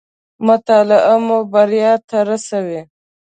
مطالعه مو بريا ته راسوي